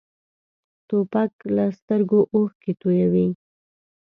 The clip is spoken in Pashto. توپک له سترګو اوښکې تویوي.